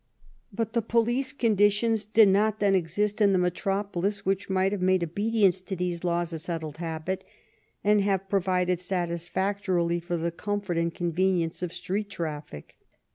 But the police con ditions did not then exist in the metropolis which might have made obedience to these laws a settled habit, and have provided satisfactorily for the comfort and convenience of street traffic.